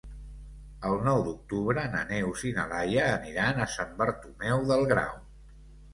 El nou d'octubre na Neus i na Laia aniran a Sant Bartomeu del Grau.